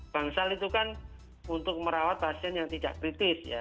bangsal itu kan untuk merawat pasien yang tidak kritis ya